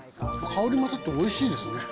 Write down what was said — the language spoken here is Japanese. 香りもあって、おいしいですね。